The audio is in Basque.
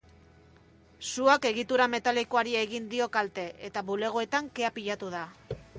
Suak egitura metalikoari egin dio kalte, eta bulegoetan kea pilatu da.